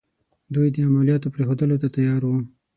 دوی د عملیاتو پرېښودلو ته تیار وو.